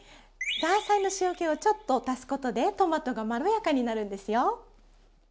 ザーサイの塩けをちょっと足すことでトマトがまろやかになるんですよ。